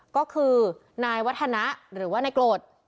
ก็คือนายวัฒนะหรือว่านายโกรธ